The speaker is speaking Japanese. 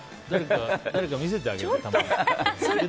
誰か見せてあげて。